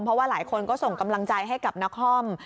เพราะว่าหลายคนก็ส่งกำลังใจให้กับนคร